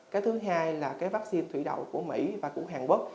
cái thứ hai là cái vaccine thủy đậu của mỹ và của hàn quốc